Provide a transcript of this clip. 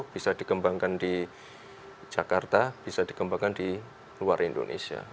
bisa dikembangkan di jakarta bisa dikembangkan di luar indonesia